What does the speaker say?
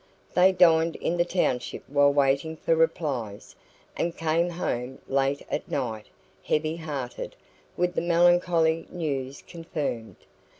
They dined in the township while waiting for replies, and came home late at night, heavy hearted, with the melancholy news confirmed.